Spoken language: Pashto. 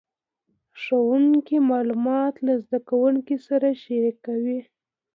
ښوونکي معلومات له زده کوونکو سره شریکوي.